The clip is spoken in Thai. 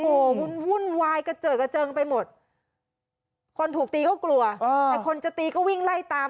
โอ้โหวุ่นวายกระเจิดกระเจิงไปหมดคนถูกตีก็กลัวไอ้คนจะตีก็วิ่งไล่ตาม